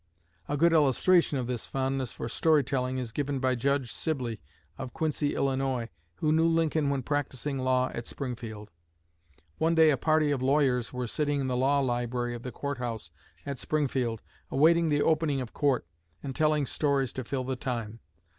A good illustration of this fondness for story telling is given by Judge Sibley, of Quincy, Illinois, who knew Lincoln when practicing law at Springfield. One day a party of lawyers were sitting in the law library of the court house at Springfield, awaiting the opening of court, and telling stories to fill the time.